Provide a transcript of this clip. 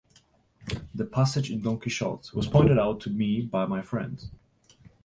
The passage in Don Quixote was pointed out to me by my friend.